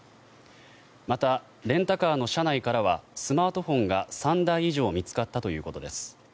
また、レンタカーの車内からはスマートフォンが３台以上見つかったということです。